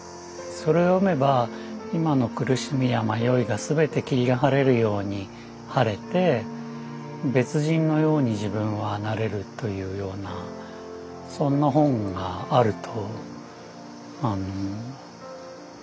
それ読めば今の苦しみや迷いが全て霧が晴れるように晴れて別人のように自分はなれるというようなそんな本があると思ったんですね。